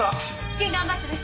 試験頑張ってね。